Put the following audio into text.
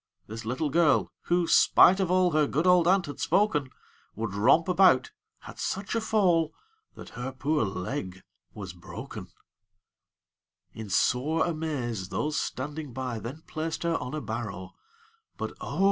This little girl, who, spite of all Her good old aunt had spoken, Would romp about, had such a fall That her poor leg was broken. In sore amaze, those standing by Then placed her on a barrow; But oh!